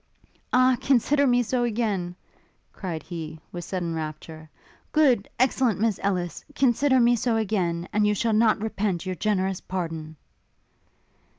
'Ah! consider me so again!' cried he, with sudden rapture; 'good excellent Miss Ellis! consider me so again, and you shall not repent your generous pardon!'